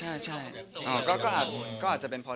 หลายคนก็เลยแบบเฮ้ยเรื่องไทม์ไลน์ความสกของเราทั้งคู่อะไรอย่างเงี้ย